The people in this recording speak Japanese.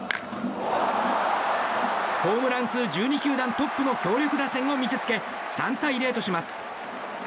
ホームラン数１２球団トップの強力打線を見せつけ３対０とします。